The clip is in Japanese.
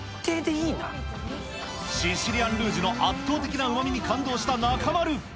シシリアンルージュの圧倒的なうまみに感動した中丸。